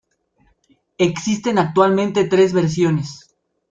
Existen actualmente tres versiones.